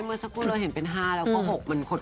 เมื่อสักครู่เราเห็นเป็น๕แล้วก็ขุด